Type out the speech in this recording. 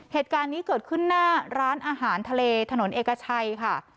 เหตุการณ์นี้เกิดขึ้นหน้าร้านอาหารทะเลถนนเอกชัยค่ะ